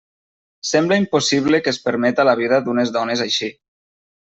Sembla impossible que es permeta la vida d'unes dones així.